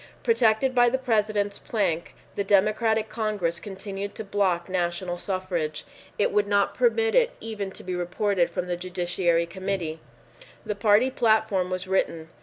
Protected by the President's plank, the Democratic Congress continued to block national suffrage. It would not permit it even to be reported from the Judiciary Committee. The party platform was written.